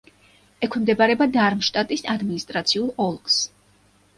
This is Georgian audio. ექვემდებარება დარმშტადტის ადმინისტრაციულ ოლქს.